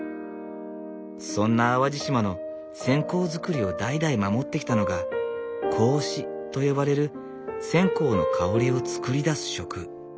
そんな淡路島の線香作りを代々守ってきたのが香司と呼ばれる線香の香りを作り出す職。